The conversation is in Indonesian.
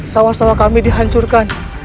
sawah sawah kami dihancurkan